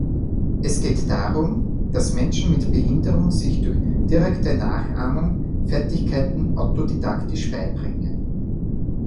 Es geht darum, dass Menschen mit Behinderung sich durch direkte Nachahmung Fertigkeiten autodidaktisch beibringen.